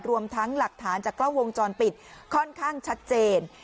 รวมทั้งหลักฐานจากกล้องวงจรปิดค่อนข้างชัดเจน